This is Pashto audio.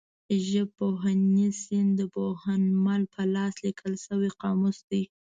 ژبپوهنیز سیند د پوهنمل په لاس لیکل شوی قاموس دی.